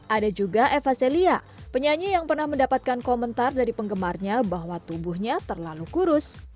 ada juga eva celia penyanyi yang pernah mendapatkan komentar dari penggemarnya bahwa tubuhnya terlalu kurus